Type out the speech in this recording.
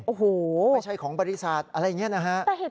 โอ้โหไม่ใช่ของบริษัทอะไรอย่างนี้นะฮะ